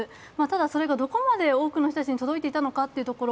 それがどこまで多くの人たちに届いていたのかっていうこと。